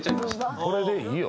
これでいいよ。